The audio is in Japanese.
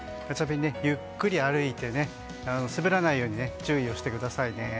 ガチャピン、ゆっくり歩いて滑らないように注意をしてくださいね。